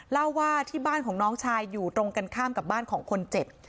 เล่าว่าที่บ้านของน้องชายอยู่ตรงกันข้ามกับบ้านของคนเจ็บ